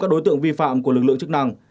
các đối tượng vi phạm của lực lượng chức năng